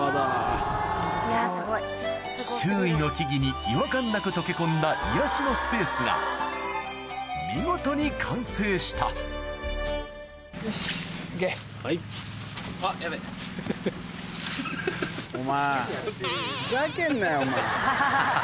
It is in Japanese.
周囲の木々に違和感なく溶け込んだ癒やしのスペースが見事に完成したお前。